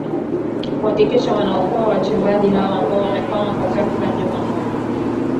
kuhakikisha wanawaokoa wachimbaji hao ambao wamekwama kwa takriban juma moja